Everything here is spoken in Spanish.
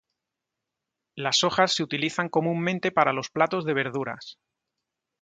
Las hojas se utilizan comúnmente para los platos de verduras.